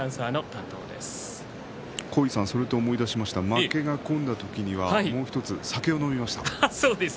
負けが込んだ時にはもう１つ、酒を飲みました。